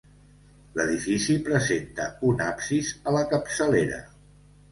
L'edifici presenta un absis a la capçalera.